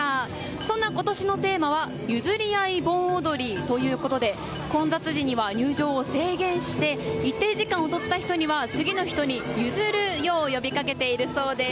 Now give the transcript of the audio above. そんな今年のテーマは譲り合い盆踊りということで混雑時には入場を制限して一定時間踊った人には次の人に譲るよう呼びかけているそうです。